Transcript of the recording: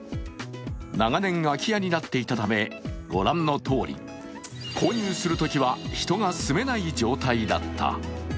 長年空き家になっていたためご覧のとおり、購入するときは人が住めない状態だった。